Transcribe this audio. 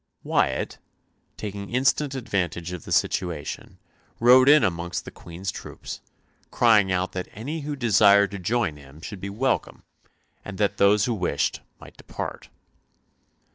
Wyatt, taking instant advantage of the situation, rode in amongst the Queen's troops, crying out that any who desired to join him should be welcome and that those who wished might depart.